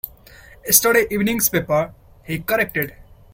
"Yesterday evening's paper," he corrected.